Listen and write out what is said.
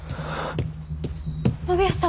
信康様！